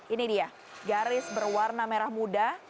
ini dia garis berwarna merah muda